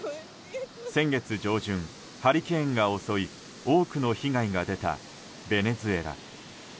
先月上旬、ハリケーンが襲い多くの被害が出たベネズエラ。